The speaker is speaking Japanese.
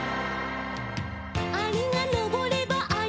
「アリがのぼればアリのき」